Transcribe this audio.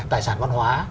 tài sản văn hóa